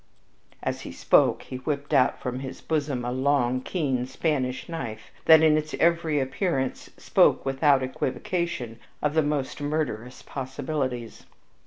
As he spoke he whipped out from his bosom a long, keen Spanish knife that in its every appearance spoke without equivocation of the most murderous possibilities.